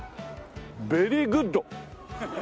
ベリーグッド！